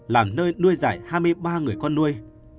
làm nơi nuôi dạy hai mươi ba người con nuôi